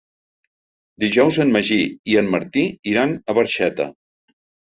Dijous en Magí i en Martí iran a Barxeta.